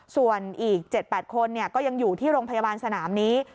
ส่วนอีก๗๘คนก็ยังอยู่ที่โรงพยาบาลสนามนี้